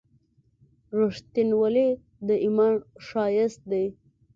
• رښتینولي د ایمان ښایست دی.